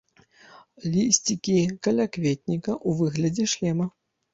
Лісцікі калякветніка ў выглядзе шлема.